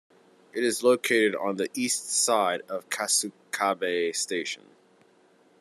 It is located on the east side of Kasukabe Station.